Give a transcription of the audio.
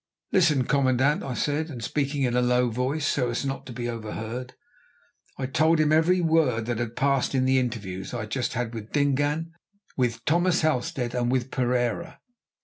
"Listen, commandant," I said, and, speaking in a low voice, so as not to be overheard, I told him every word that had passed in the interviews I had just had with Dingaan, with Thomas Halstead, and with Pereira.